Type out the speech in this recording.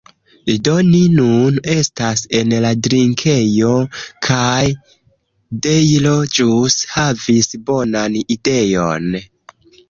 Do ni nun estas en la drinkejo, kaj Dejlo ĵus havis bonan ideon.